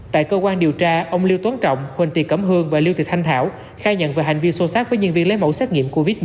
tại cơ quan điều tra ông lưu tuấn trọng huỳnh tị cẩm hương và lưu thị thanh thảo khai nhận về hành vi sâu sát với nhân viên lấy mẫu xét nghiệm covid một mươi chín